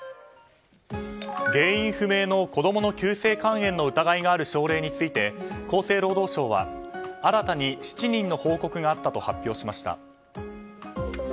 原因不明の子供の急性肝炎の疑いがある症例について厚生労働省は新たに７人の報告があったと発表しました。